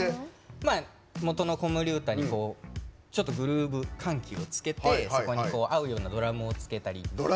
もとの子守唄にちょっとグルーヴ緩急をつけてそこに合うようなドラムをつけたり。